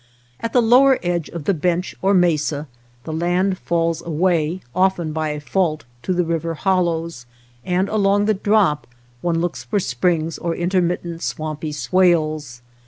At the lower edge of the 236 OTHER WATER BORDERS bench or mesa the land falls away, often by a fault, to the river hollows, and along the drop one looks for springs or intermit tent swampy swales.